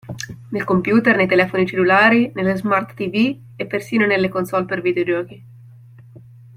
Nel computer, nei telefoni cellulari, nelle smart TV e persino nelle console per videogiochi.